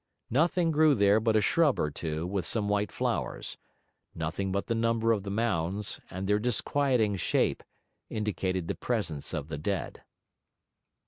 Nothing grew there but a shrub or two with some white flowers; nothing but the number of the mounds, and their disquieting shape, indicated the presence of the dead.